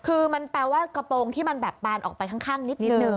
คือมันแปลว่ากระโปรงที่มันแบบปานออกไปข้างนิดนึง